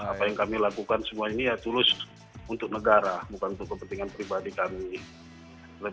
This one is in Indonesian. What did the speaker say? apa yang kami lakukan semua ini ya tulus untuk negara bukan untuk kepentingan pribadi kami